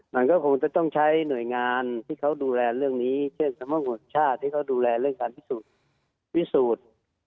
มันก็คงจะต้องใช้หน่วยงานที่เขาดูแลเรื่องนี้เช่นสมมุติชาติที่เขาดูแลเรื่องการพิสูจน์